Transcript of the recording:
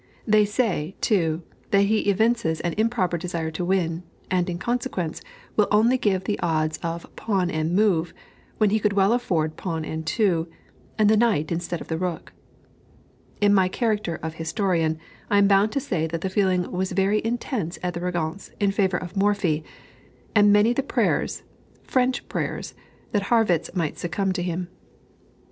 They say, too, that he evinces an improper desire to win, and, in consequence, will only give the odds of pawn and move, when he could well afford pawn and two, and the knight instead of the rook. In my character of historian, I am bound to state that the feeling was very intense at the Régence in favor of Morphy, and many the prayers (French prayers) that Harrwitz might succumb to him.